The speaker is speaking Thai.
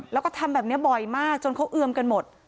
แล้วก็ทำแบบนี้บ่อยมากจนเขาเอือมกันหมด